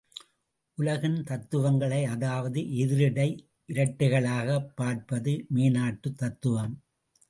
உலகின் தத்துவங்களை அதாவது எதிரிடை இரட்டைகளாகப் பார்ப்பது மேனாட்டுத் தத்துவம்!